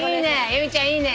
由美ちゃんいいね！